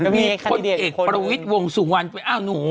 มีคนเอกพระวิทย์วงสูงวันเอ้าหนู